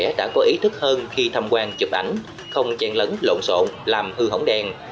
các bạn đã có ý thức hơn khi tham quan chụp ảnh không chèn lấn lộn xộn làm hư hỏng đèn